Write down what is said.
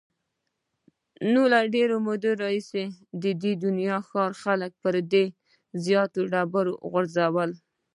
نو له ډېرې مودې راهیسې د دې ښار خلکو پر دې زیارت ډبرې غورځولې.